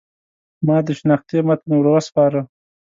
ما د شنختې متن ور وسپاره.